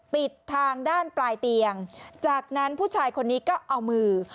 ปิดทางด้านปลายเตียงจากนั้นผู้ชายคนนี้ก็เอามือ